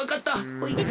ほい。